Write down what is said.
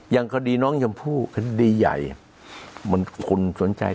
อย่างคดีน้องชมพู่คดีใหญ่มันคนสนใจ